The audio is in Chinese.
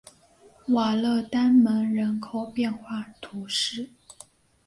瓦勒丹门人口变化图示